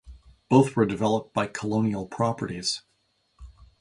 Both were developed by Colonial Properties.